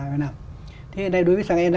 e năm thế hiện nay đối với xe e năm